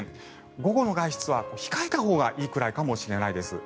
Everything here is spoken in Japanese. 午後の外出は控えたほうがいいくらいかもしれないです。